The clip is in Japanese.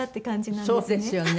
そうですよね。